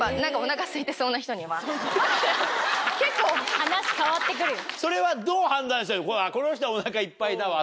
話変わってくるよ。